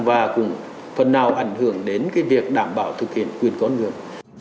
và cũng phần nào ảnh hưởng đến việc đảm bảo thực hiện quyền con người